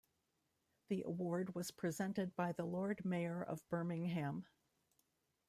The award was presented by the Lord Mayor of Birmingham.